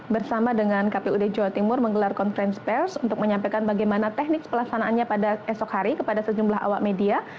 bersama dengan kpud jawa timur menggelar konferensi pers untuk menyampaikan bagaimana teknik pelaksanaannya pada esok hari kepada sejumlah awak media